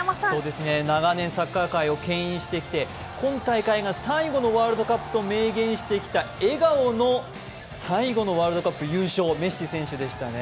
長年サッカー界をけん引してきて今大会が最後のワールドカップと明言してきた笑顔の最後のワールドカップの優勝、メッシ選手でしたね。